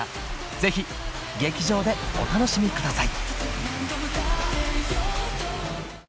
ぜひ劇場でお楽しみください